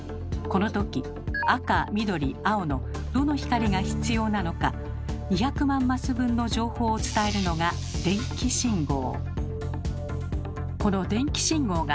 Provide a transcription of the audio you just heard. この時赤緑青のどの光が必要なのか２００万マス分の情報を伝えるのが「電気信号」。